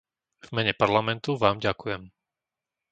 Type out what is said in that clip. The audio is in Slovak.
V mene Parlamentu Vám ďakujem.